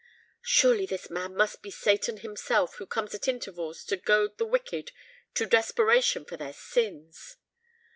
"Surely this man must be Satan himself, who comes at intervals to goad the wicked to desperation for their sins!"